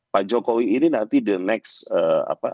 pak jokowi ini nanti the next